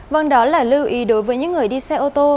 vâng đó là lưu ý đối với những người đi xe ô tô